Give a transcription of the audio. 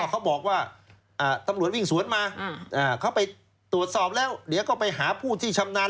เขาบอกว่าตำรวจวิ่งสวนมาเขาไปตรวจสอบแล้วเดี๋ยวก็ไปหาผู้ที่ชำนาญ